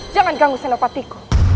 jangan ganggu senopatiku